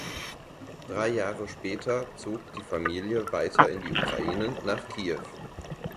Drei Jahre später zog die Familie weiter in die Ukraine nach Kiew.